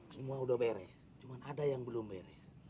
semua udah beres cuma ada yang belum beres